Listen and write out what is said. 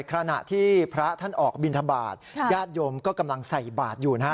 ขณะที่พระท่านออกบินทบาทญาติโยมก็กำลังใส่บาทอยู่นะฮะ